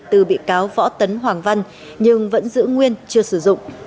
từ bị cáo võ tấn hoàng văn nhưng vẫn giữ nguyên chưa sử dụng